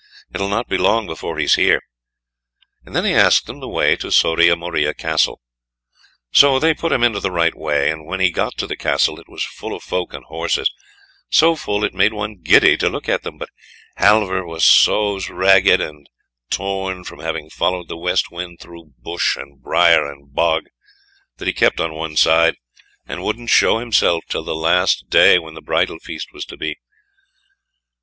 It'll not be long before he's here," and then he asked them the way to Soria Moria Castle. So they put him into the right way, and when he got to the Castle it was full of folk and horses; so full it made one giddy to look at them. But Halvor was so ragged and torn from having followed the West Wind through bush and brier and bog, that he kept on one side, and wouldn't show himself till the last day when the bridal feast was to be.